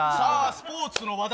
スポーツの話題。